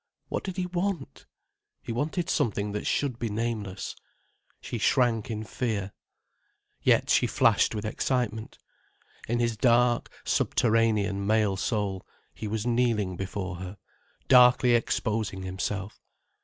What did he want? He wanted something that should be nameless. She shrank in fear. Yet she flashed with excitement. In his dark, subterranean male soul, he was kneeling before her, darkly exposing himself.